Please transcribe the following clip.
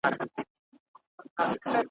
په خپل خیر چي نه پوهیږي زنداني سي ,